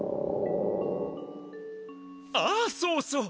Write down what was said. ああそうそう。